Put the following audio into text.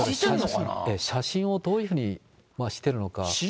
写真をどういうふうにしてるのか。